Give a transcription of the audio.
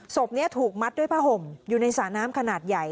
ศพนี้ถูกมัดด้วยผ้าห่มอยู่ในสระน้ำขนาดใหญ่